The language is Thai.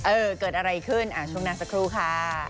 เออเกิดอะไรขึ้นช่วงหน้าสักครู่ค่ะ